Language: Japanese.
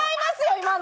今の。